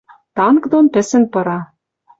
Танк дон пӹсӹн пыра